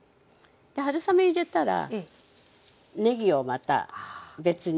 で春雨入れたらねぎをまた別にね。